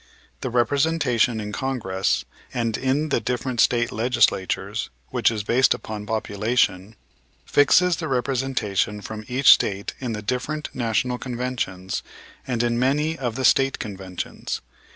The representation in Congress and in the different State Legislatures, which is based upon population, fixes the representation from each State in the different National Conventions and in many of the State Conventions.